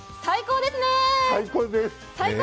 最高です！